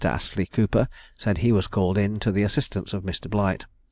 Astley Cooper said he was called in to the assistance of Mr. Blight.